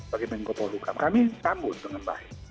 bagi menggopo luka kami sambut dengan baik